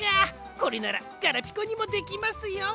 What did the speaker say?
これならガラピコにもできますよ！